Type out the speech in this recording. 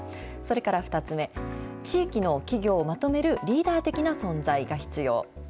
それから２つ目、地域の企業をまとめるリーダー的な存在が必要。